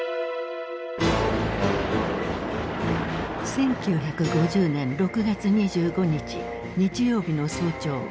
１９５０年６月２５日日曜日の早朝。